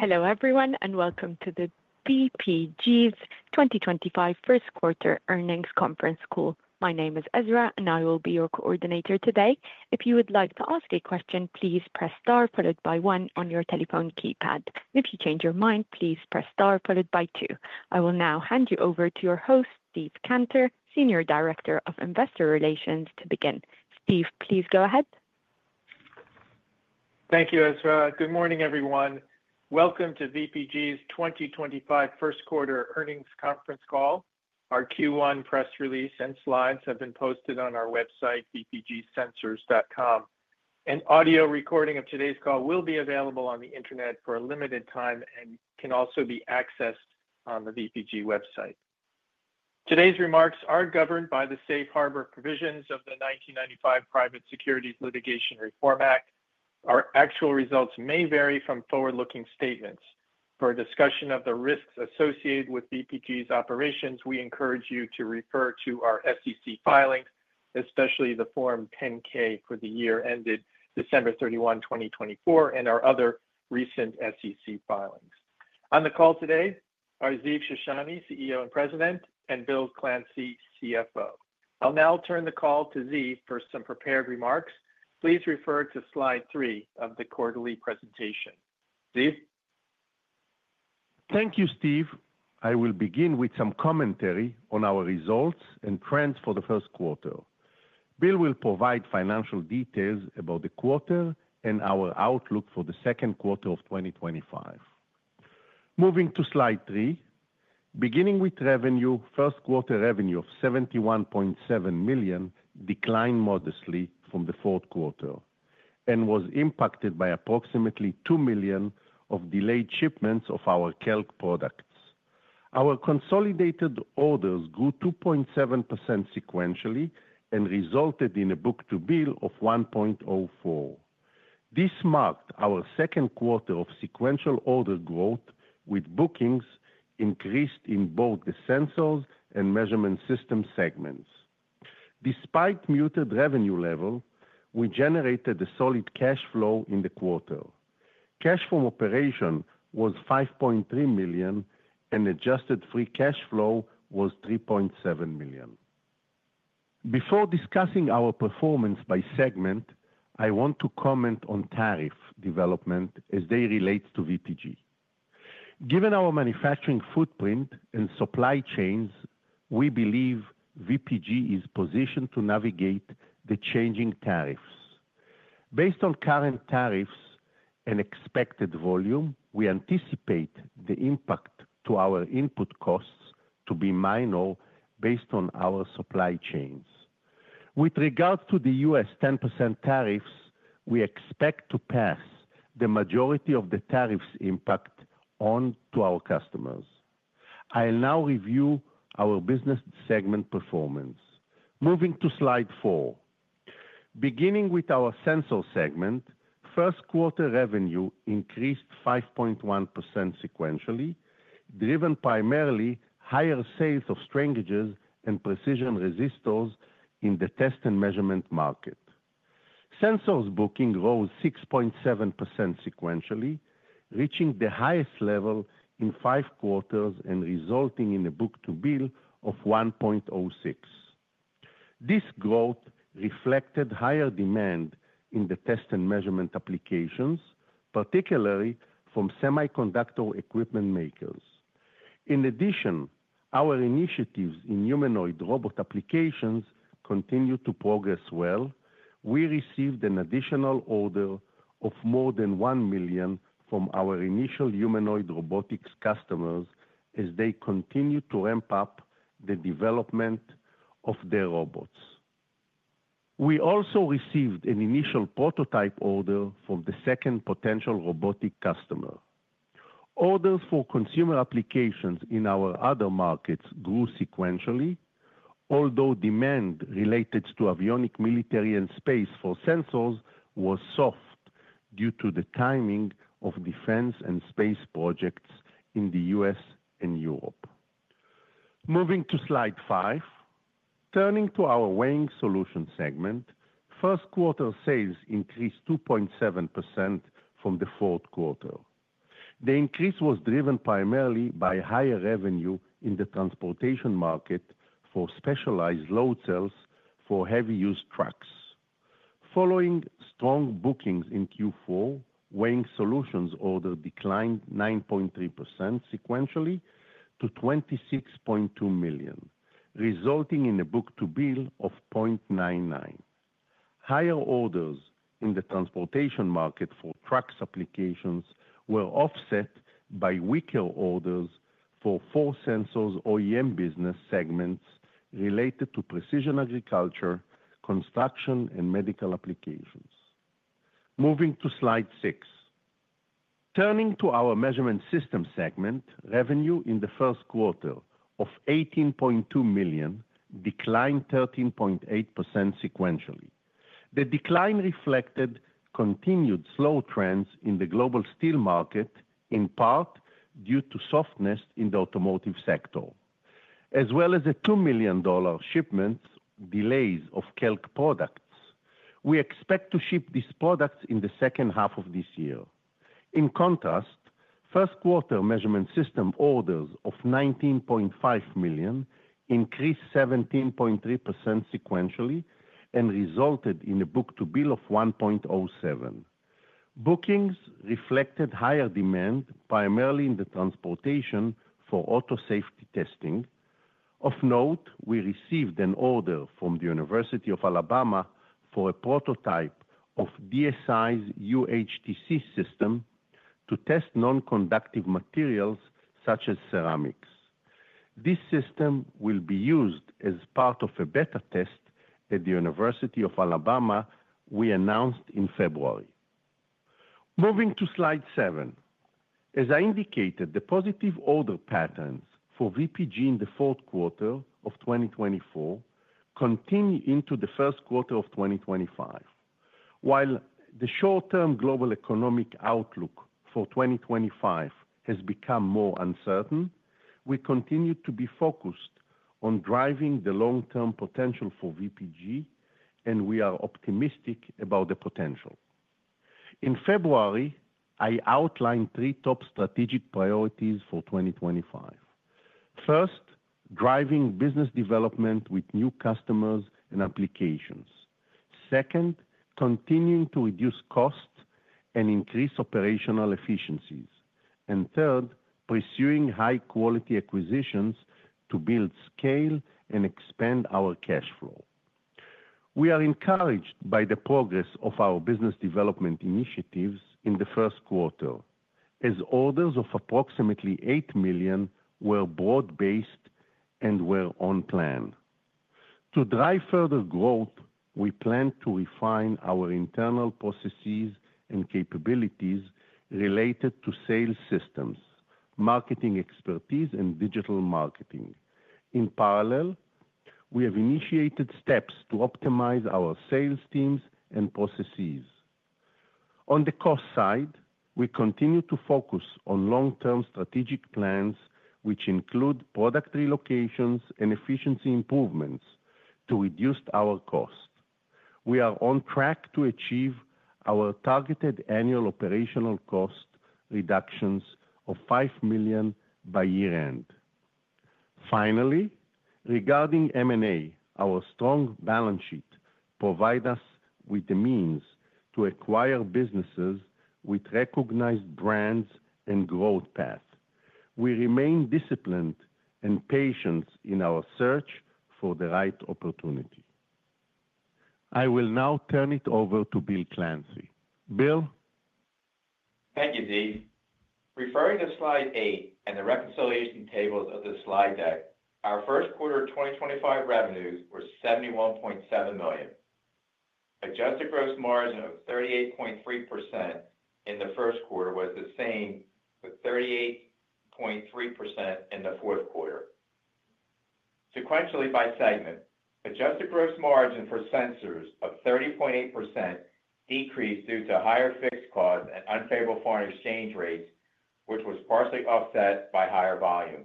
Hello everyone, and welcome to the BPG Sensors 2025 First Quarter Earnings Conference Call. My name is Ezra, and I will be your coordinator today. If you would like to ask a question, please press star followed by one on your telephone keypad. If you change your mind, please press star followed by two. I will now hand you over to your host, Steve Cantor, Senior Director of Investor Relations, to begin. Steve, please go ahead. Thank you, Ezra. Good morning, everyone. Welcome to BPG Sensors' 2025 First Quarter Earnings Conference Call. Our Q1 press release and slides have been posted on our website, bpgsensors.com, and audio recording of today's call will be available on the internet for a limited time and can also be accessed on the BPG website. Today's remarks are governed by the Safe Harbor Provisions of the 1995 Private Securities Litigation Reform Act. Our actual results may vary from forward-looking statements. For discussion of the risks associated with BPG Sensors' operations, we encourage you to refer to our SEC filings, especially the Form 10-K for the year ended December 31, 2024, and our other recent SEC filings. On the call today are Ziv Shoshani, CEO and President, and Bill Clancy, CFO. I'll now turn the call to Ziv for some prepared remarks. Please refer to slide three of the quarterly presentation. Ziv? Thank you, Steve. I will begin with some commentary on our results and trends for the first quarter. Bill will provide financial details about the quarter and our outlook for the second quarter of 2025. Moving to slide three, beginning with revenue, first quarter revenue of $71.7 million declined modestly from the fourth quarter and was impacted by approximately $2 million of delayed shipments of our KELK products. Our consolidated orders grew 2.7% sequentially and resulted in a book-to-bill of 1.04. This marked our second quarter of sequential order growth, with bookings increased in both the sensors and measurement systems segments. Despite muted revenue levels, we generated a solid cash flow in the quarter. Cash from operations was $5.3 million, and adjusted free cash flow was $3.7 million. Before discussing our performance by segment, I want to comment on tariff development as they relate to Vishay Precision Group. Given our manufacturing footprint and supply chains, we believe BPG is positioned to navigate the changing tariffs. Based on current tariffs and expected volume, we anticipate the impact to our input costs to be minor based on our supply chains. With regards to the US 10% tariffs, we expect to pass the majority of the tariffs' impact onto our customers. I'll now review our business segment performance. Moving to slide four, beginning with our sensor segment, first quarter revenue increased 5.1% sequentially, driven primarily by higher sales of strain gauges and precision resistors in the test and measurement market. Sensors booking rose 6.7% sequentially, reaching the highest level in five quarters and resulting in a book-to-bill of 1.06. This growth reflected higher demand in the test and measurement applications, particularly from semiconductor equipment makers. In addition, our initiatives in humanoid robot applications continue to progress well. We received an additional order of more than $1 million from our initial humanoid robotics customers as they continue to ramp up the development of their robots. We also received an initial prototype order from the second potential robotic customer. Orders for consumer applications in our other markets grew sequentially, although demand related to avionics, military, and space for sensors was soft due to the timing of defense and space projects in the U.S. and Europe. Moving to slide five, turning to our weighing solution segment, first quarter sales increased 2.7% from the fourth quarter. The increase was driven primarily by higher revenue in the transportation market for specialized load cells for heavy-use trucks. Following strong bookings in Q4, weighing solutions orders declined 9.3% sequentially to $26.2 million, resulting in a book-to-bill of 0.99. Higher orders in the transportation market for trucks applications were offset by weaker orders for four sensors OEM business segments related to precision agriculture, construction, and medical applications. Moving to slide six, turning to our measurement system segment, revenue in the first quarter of $18.2 million declined 13.8% sequentially. The decline reflected continued slow trends in the global steel market, in part due to softness in the automotive sector, as well as a $2 million shipment delay of KELK products. We expect to ship these products in the second half of this year. In contrast, first quarter measurement system orders of $19.5 million increased 17.3% sequentially and resulted in a book-to-bill of 1.07. Bookings reflected higher demand primarily in the transportation for auto safety testing. Of note, we received an order from the University of Alabama for a prototype of DSI's UHTC system to test non-conductive materials such as ceramics. This system will be used as part of a beta test at the University of Alabama we announced in February. Moving to slide seven, as I indicated, the positive order patterns for BPG in the fourth quarter of 2024 continue into the first quarter of 2025. While the short-term global economic outlook for 2025 has become more uncertain, we continue to be focused on driving the long-term potential for BPG, and we are optimistic about the potential. In February, I outlined three top strategic priorities for 2025. First, driving business development with new customers and applications. Second, continuing to reduce costs and increase operational efficiencies. Third, pursuing high-quality acquisitions to build scale and expand our cash flow. We are encouraged by the progress of our business development initiatives in the first quarter, as orders of approximately $8 million were broad-based and were on plan. To drive further growth, we plan to refine our internal processes and capabilities related to sales systems, marketing expertise, and digital marketing. In parallel, we have initiated steps to optimize our sales teams and processes. On the cost side, we continue to focus on long-term strategic plans, which include product relocations and efficiency improvements to reduce our cost. We are on track to achieve our targeted annual operational cost reductions of $5 million by year-end. Finally, regarding M&A, our strong balance sheet provides us with the means to acquire businesses with recognized brands and growth paths. We remain disciplined and patient in our search for the right opportunity. I will now turn it over to Bill Clancy. Bill? Thank you, Steve. Referring to slide eight and the reconciliation tables of the slide deck, our first quarter 2025 revenues were $71.7 million. Adjusted gross margin of 38.3% in the first quarter was the same as 38.3% in the fourth quarter. Sequentially by segment, adjusted gross margin for sensors of 30.8% decreased due to higher fixed costs and unfavorable foreign exchange rates, which was partially offset by higher volume.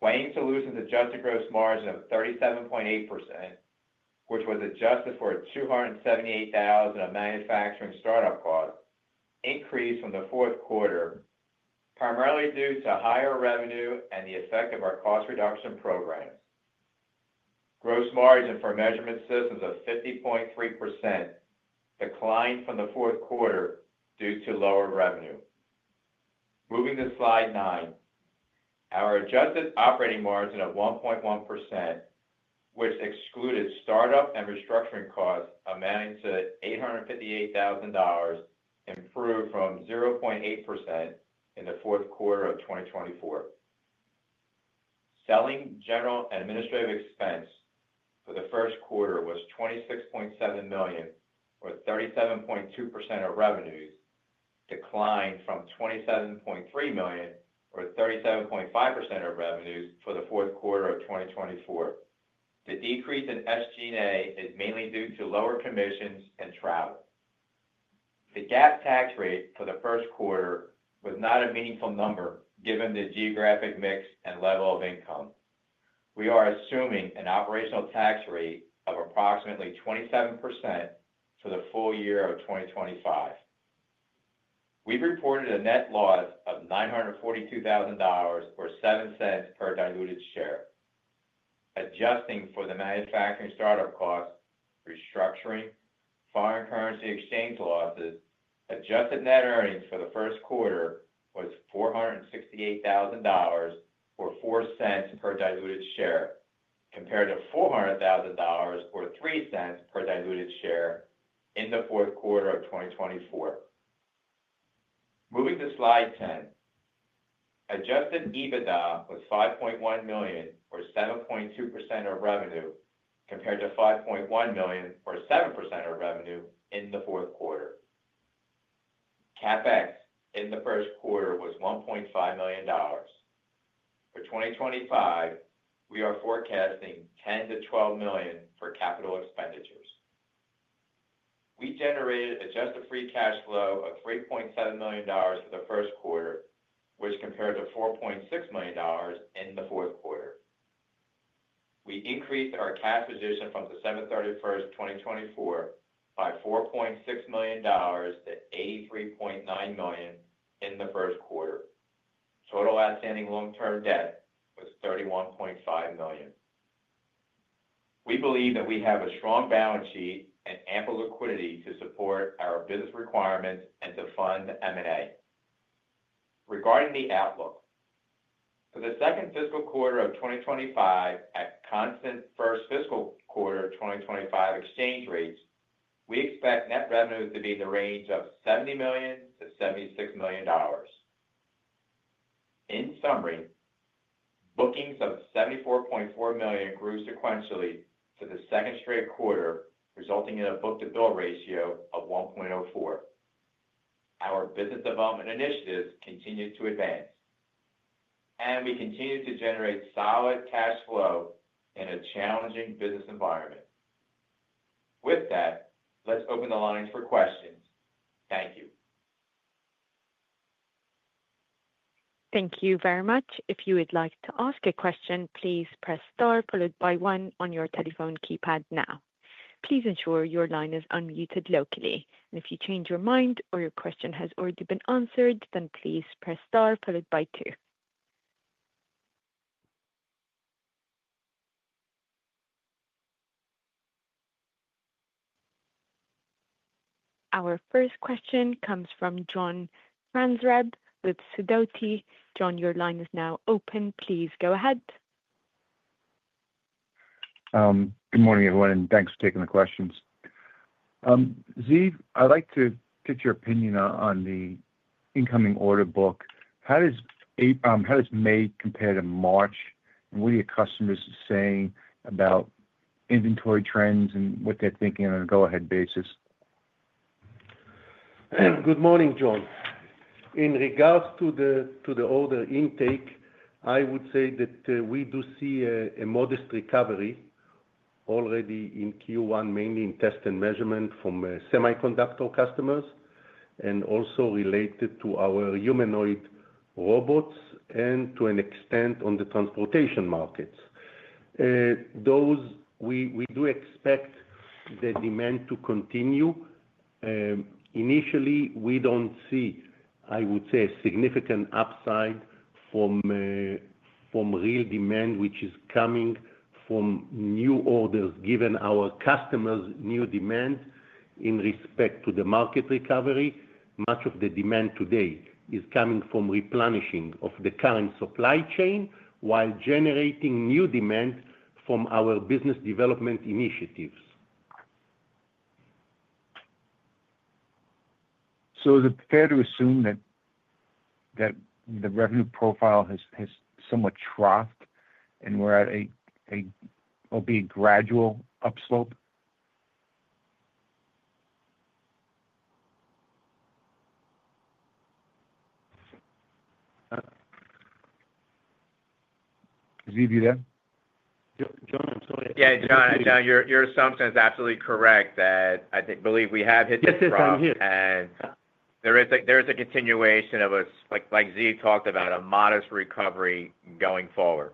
Weighing solutions adjusted gross margin of 37.8%, which was adjusted for $278,000 of manufacturing startup costs, increased from the fourth quarter, primarily due to higher revenue and the effect of our cost reduction programs. Gross margin for measurement systems of 50.3% declined from the fourth quarter due to lower revenue. Moving to slide nine, our adjusted operating margin of 1.1%, which excluded startup and restructuring costs, amounting to $858,000, improved from 0.8% in the fourth quarter of 2024. Selling, general, and administrative expense for the first quarter was $26.7 million, or 37.2% of revenues, declined from $27.3 million, or 37.5% of revenues for the fourth quarter of 2024. The decrease in SG&A is mainly due to lower commissions and travel. The tax rate for the first quarter was not a meaningful number given the geographic mix and level of income. We are assuming an operational tax rate of approximately 27% for the full year of 2025. We've reported a net loss of $942,000 or $0.07 per diluted share. Adjusting for the manufacturing startup costs, restructuring, foreign currency exchange losses, adjusted net earnings for the first quarter was $468,000 or $0.04 per diluted share, compared to $400,000 or $0.03 per diluted share in the fourth quarter of 2024. Moving to slide ten, adjusted EBITDA was $5.1 million, or 7.2% of revenue, compared to $5.1 million, or 7% of revenue in the fourth quarter. Capex in the first quarter was $1.5 million. For 2025, we are forecasting $10-$12 million for capital expenditures. We generated adjusted free cash flow of $3.7 million for the first quarter, which compared to $4.6 million in the fourth quarter. We increased our cash position from July 31, 2024 by $4.6 million to $83.9 million in the first quarter. Total outstanding long-term debt was $31.5 million. We believe that we have a strong balance sheet and ample liquidity to support our business requirements and to fund M&A. Regarding the outlook for the second fiscal quarter of 2025 at constant first fiscal quarter 2025 exchange rates, we expect net revenues to be in the range of $70 million-$76 million. In summary, bookings of $74.4 million grew sequentially for the second straight quarter, resulting in a book-to-bill ratio of 1.04. Our business development initiatives continue to advance, and we continue to generate solid cash flow in a challenging business environment. With that, let's open the lines for questions. Thank you. Thank you very much. If you would like to ask a question, please press star followed by one on your telephone keypad now. Please ensure your line is unmuted locally. If you change your mind or your question has already been answered, then please press star followed by two. Our first question comes from John Franzreb with Sidoti & Company. John, your line is now open. Please go ahead. Good morning, everyone, and thanks for taking the questions. Ziv, I'd like to get your opinion on the incoming order book. How does May compare to March, and what are your customers saying about inventory trends and what they're thinking on a go-ahead basis? Good morning, John. In regards to the order intake, I would say that we do see a modest recovery already in Q1, mainly in test and measurement from semiconductor customers, and also related to our humanoid robots and to an extent on the transportation markets. We do expect the demand to continue. Initially, we do not see, I would say, a significant upside from real demand, which is coming from new orders, given our customers' new demand in respect to the market recovery. Much of the demand today is coming from replenishing of the current supply chain while generating new demand from our business development initiatives. Is it fair to assume that the revenue profile has somewhat troughed and will be a gradual upslope? Ziv, you there? Yeah, John, your assumption is absolutely correct that I believe we have hit the trough. Yes, I'm here. There is a continuation of, like Ziv talked about, a modest recovery going forward.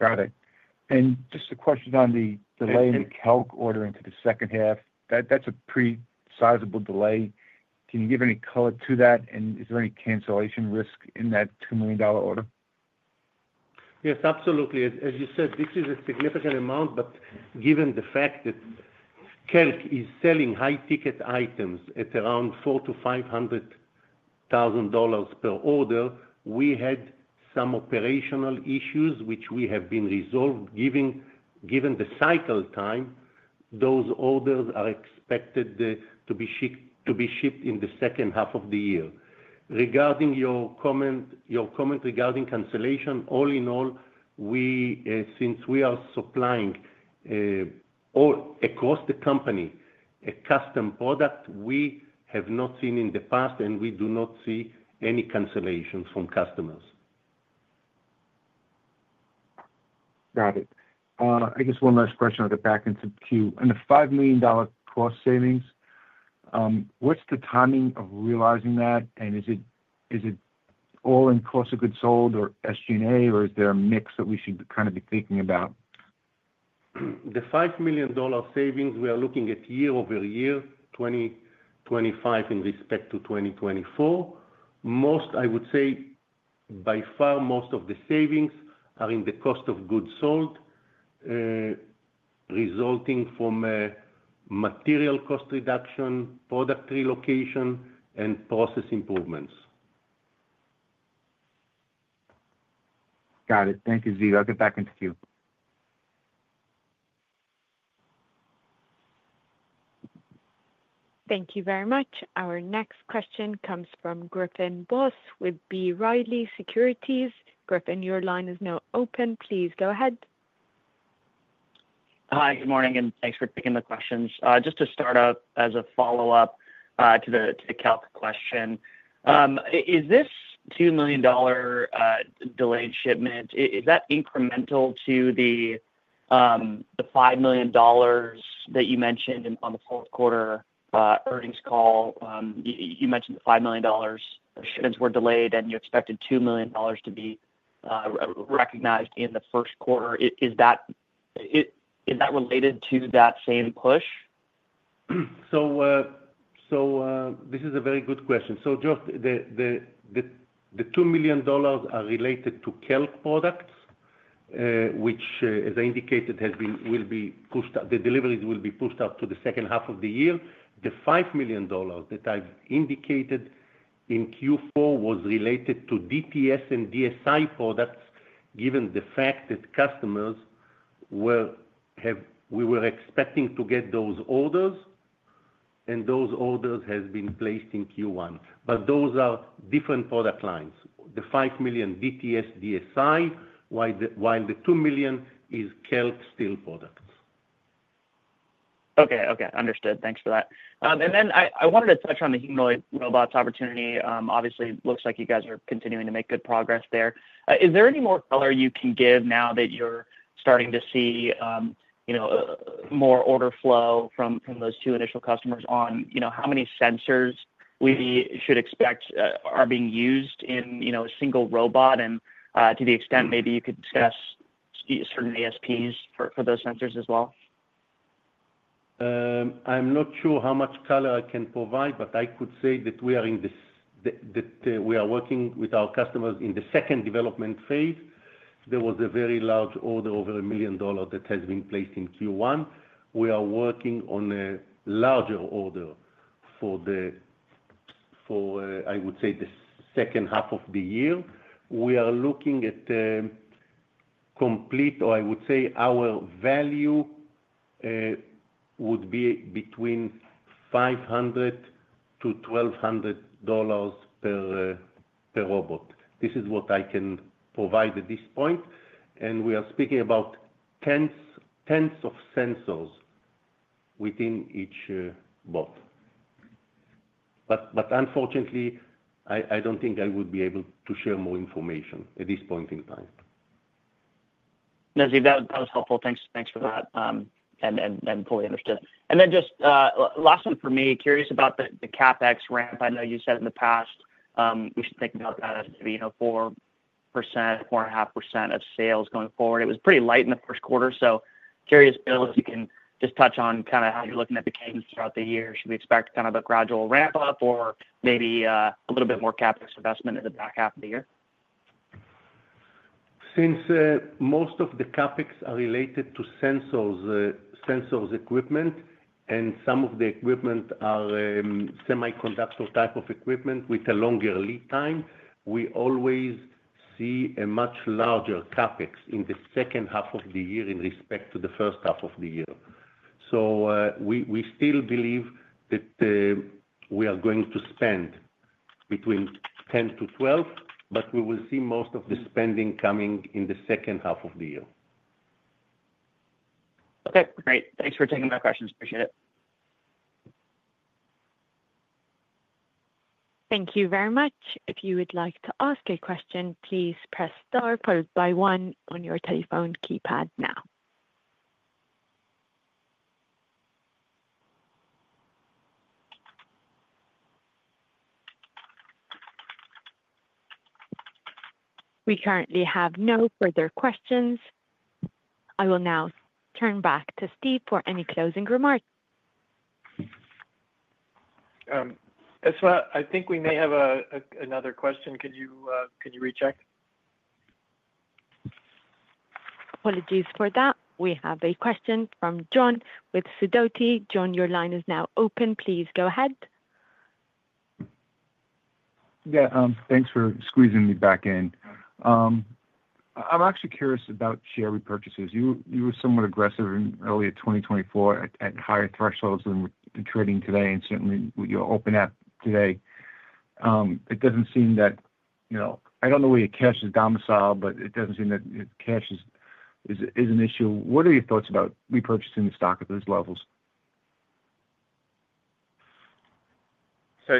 Got it. Just a question on the delay in the KELK order into the second half. That's a pretty sizable delay. Can you give any color to that? Is there any cancellation risk in that $2 million order? Yes, absolutely. As you said, this is a significant amount, but given the fact that KELK is selling high-ticket items at around $400,000- $500,000 per order, we had some operational issues which we have been resolved. Given the cycle time, those orders are expected to be shipped in the second half of the year. Regarding your comment regarding cancellation, all in all, since we are supplying across the company a custom product, we have not seen in the past, and we do not see any cancellations from customers. Got it. I guess one last question to get back into Q. And the $5 million cost savings, what's the timing of realizing that? And is it all in cost of goods sold or SG&A, or is there a mix that we should kind of be thinking about? The $5 million savings, we are looking at year over year, 2025 in respect to 2024. I would say by far most of the savings are in the cost of goods sold, resulting from material cost reduction, product relocation, and process improvements. Got it. Thank you, Ziv. I'll get back into Q. Thank you very much. Our next question comes from Griffin Boss with B. Riley Securities. Griffin, your line is now open. Please go ahead. Hi, good morning, and thanks for taking the questions. Just to start up as a follow-up to the KELK question, is this $2 million delayed shipment, is that incremental to the $5 million that you mentioned on the fourth quarter earnings call? You mentioned the $5 million shipments were delayed, and you expected $2 million to be recognized in the first quarter. Is that related to that same push? This is a very good question. Just the $2 million are related to KELK products, which, as I indicated, will be pushed out. The deliveries will be pushed out to the second half of the year. The $5 million that I have indicated in Q4 was related to DTS and DSI products, given the fact that customers were—we were expecting to get those orders, and those orders have been placed in Q1. Those are different product lines. The $5 million DTS, DSI, while the $2 million is KELK steel products. Okay, okay. Understood. Thanks for that. I wanted to touch on the humanoid robots opportunity. Obviously, it looks like you guys are continuing to make good progress there. Is there any more color you can give now that you're starting to see more order flow from those two initial customers on how many sensors we should expect are being used in a single robot? To the extent, maybe you could discuss certain ASPs for those sensors as well. I'm not sure how much color I can provide, but I could say that we are in this—that we are working with our customers in the second development phase. There was a very large order over $1 million that has been placed in Q1. We are working on a larger order for, I would say, the second half of the year. We are looking at complete—or I would say our value would be between $500-$1,200 per robot. This is what I can provide at this point. We are speaking about tens of sensors within each box. Unfortunately, I do not think I would be able to share more information at this point in time. No, Ziv, that was helpful. Thanks for that. Fully understood. Just last one for me. Curious about the CapEx ramp. I know you said in the past we should think about that as to be 4%-4.5% of sales going forward. It was pretty light in the first quarter. Curious if you can just touch on kind of how you're looking at the cadence throughout the year. Should we expect kind of a gradual ramp-up or maybe a little bit more CapEx investment in the back half of the year? Since most of the Capex are related to sensors equipment, and some of the equipment are semiconductor type of equipment with a longer lead time, we always see a much larger Capex in the second half of the year in respect to the first half of the year. We still believe that we are going to spend between $10 million to $12 million, but we will see most of the spending coming in the second half of the year. Okay. Great. Thanks for taking my questions. Appreciate it. Thank you very much. If you would like to ask a question, please press star followed by one on your telephone keypad now. We currently have no further questions. I will now turn back to Steve for any closing remarks. Ezra, I think we may have another question. Could you recheck? Apologies for that. We have a question from John with Sidoti & Co John, your line is now open. Please go ahead. Yeah. Thanks for squeezing me back in. I'm actually curious about share repurchases. You were somewhat aggressive in early 2024 at higher thresholds than we're trading today, and certainly your open app today. It doesn't seem that—I don't know whether your cash is domiciled, but it doesn't seem that cash is an issue. What are your thoughts about repurchasing the stock at those levels?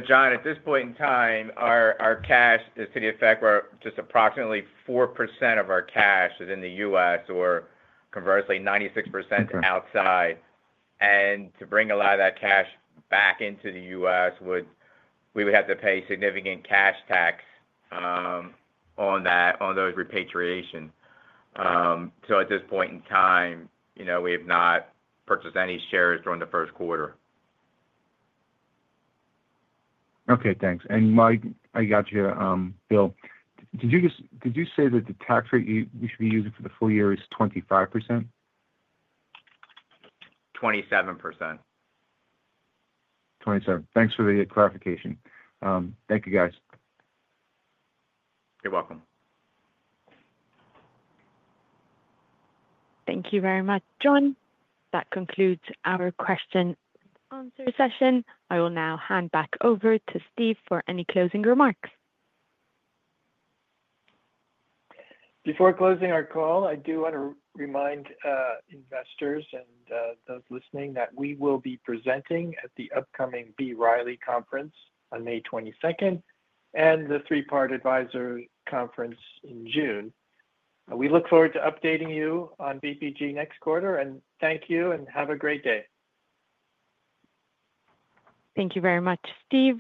John, at this point in time, our cash is to the effect where just approximately 4% of our cash is in the U.S., or conversely, 96% outside. To bring a lot of that cash back into the U.S., we would have to pay significant cash tax on those repatriations. At this point in time, we have not purchased any shares during the first quarter. Okay. Thanks. Mike, I got you. Bill, did you say that the tax rate we should be using for the full year is 25%? 27%. Thanks for the clarification. Thank you, guys. You're welcome. Thank you very much, John. That concludes our question and answer session. I will now hand back over to Steve for any closing remarks. Before closing our call, I do want to remind investors and those listening that we will be presenting at the upcoming B. Riley Conference on May 22 and the three-part advisory conference in June. We look forward to updating you on BPG next quarter. Thank you, and have a great day. Thank you very much, Steve.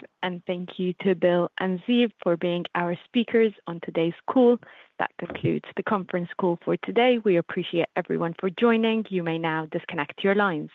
Thank you to Bill and Ziv for being our speakers on today's call. That concludes the conference call for today. We appreciate everyone for joining. You may now disconnect your lines.